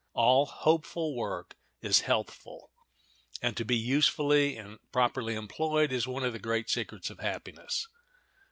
All hopeful work is healthful; and to be usefully and properly employed is one of the great secrets of happiness.